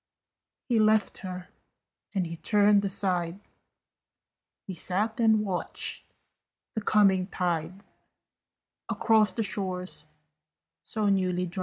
He left her, and he turned aside: He sat and watched the coming tide Across the shores so newly dried.